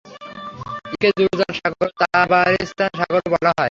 একে জুরজান সাগর ও তাবারিস্তান সাগরও বলা হয়।